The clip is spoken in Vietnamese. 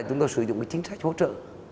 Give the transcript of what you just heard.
chúng tôi sử dụng cái chính sách hỗ trợ